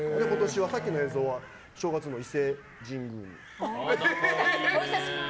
さっきの映像は正月の伊勢神宮に。